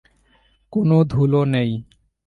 কোন ধুলো নেই।